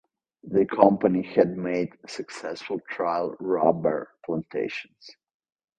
The company had made successful trial rubber plantations.